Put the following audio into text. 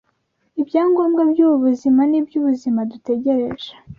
ibyangombwa by’ubu buzima n’iby’ubuzima dutegereje